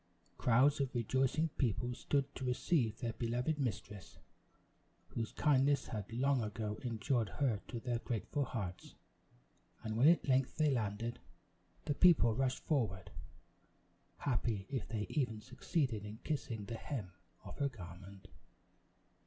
Crowds of rejoicing people stood to receive their beloved mistress, whose kindness had long ago endeared her to their grateful hearts; and, when at length they landed, the people rushed forward happy if they even succeeded in kissing the hem of her garment.